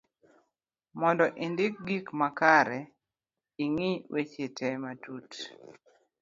mondo indik gik makare,i ng'i weche te matut